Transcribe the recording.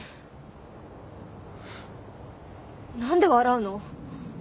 何で笑うの？